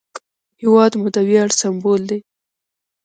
هېواد مو د ویاړ سمبول دی